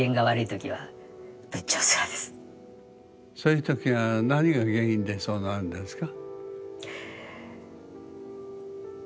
そういう時は何が原因でそうなるんですか？